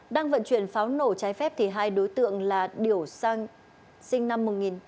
đang vận chuyển pháo nổ trái phép thì hai đối tượng là điểu sang sinh năm một nghìn